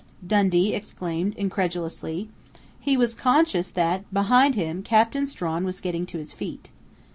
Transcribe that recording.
Dundee exclaimed incredulously. He was conscious that, behind him, Captain Strawn was getting to his feet.